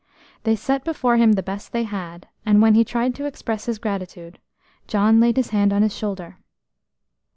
They set before him the best they had, and, when he tried to express his gratitude, John laid his hand on his shoulder.